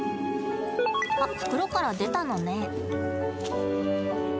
あ、袋から出たのね。